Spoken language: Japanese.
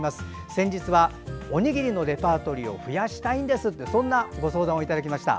先日はおにぎりのレパートリーを増やしたいんですというそんなご相談をいただきました。